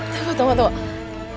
tunggu tunggu tunggu